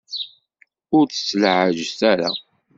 Ur tt-ttlaɛajet ara.